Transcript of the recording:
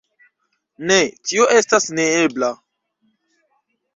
Ne, tio estas neebla.